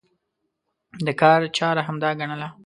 د کار چاره همدا ګڼله.